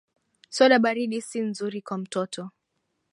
Soda baridi si nzuri kwa mtoto